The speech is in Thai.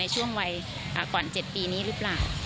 ช่วงวัยก่อน๗ปีนี้หรือเปล่า